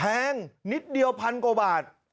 แพงนิดเดียว๑๐๐๐กว่าบาท